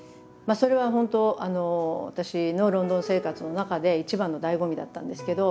それは本当あの私のロンドン生活の中で一番のだいご味だったんですけど。